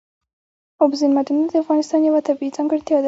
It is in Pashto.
اوبزین معدنونه د افغانستان یوه طبیعي ځانګړتیا ده.